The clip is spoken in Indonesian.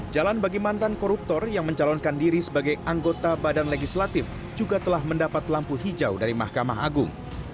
jalan bagi mantan koruptor yang mencalonkan diri sebagai anggota badan legislatif juga telah mendapat lampu hijau dari mahkamah agung